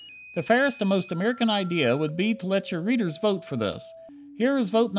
The fairest and most American idea would be to let your readers vote for this. Here is vote No.